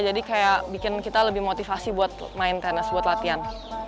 jadi kayak bikin kita lebih motivasi buat main tenis buat latihan